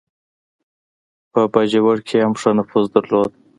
په باجوړ کې یې هم ښه نفوذ درلود.